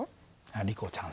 リコちゃん